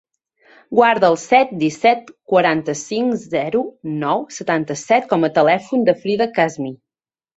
Guarda el set, disset, quaranta-cinc, zero, nou, setanta-set com a telèfon de la Frida Kasmi.